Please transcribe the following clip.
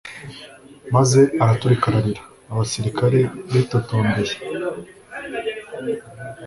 maze araturika ararira. abasirikare bitotombeye